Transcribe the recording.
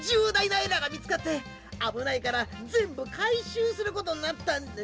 エラーがみつかってあぶないからぜんぶかいしゅうすることになったん。